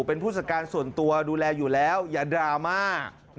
เป็นผู้จัดการส่วนตัวดูแลอยู่แล้วอย่าดราม่า